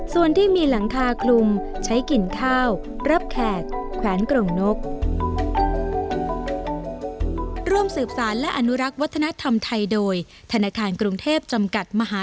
ส่วนที่มีหลังคาคลุมใช้กินข้าวรับแขกแขวนกรงนก